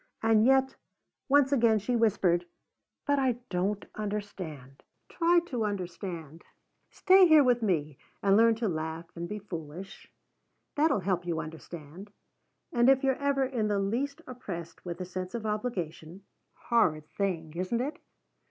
And yet, once again she whispered: "But I don't understand." "Try to understand. Stay here with me and learn to laugh and be foolish, that'll help you understand. And if you're ever in the least oppressed with a sense of obligation horrid thing, isn't it?